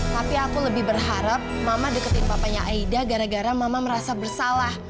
tapi aku lebih berharap mama deketin papanya aida gara gara mama merasa bersalah